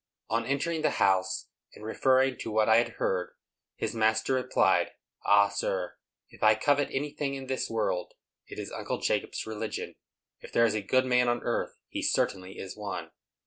On entering the house and referring to what I had heard, his master replied, "Ah, sir, if I covet anything in this world, it is Uncle Jacob's religion. If there is a good man on earth, he certainly is one."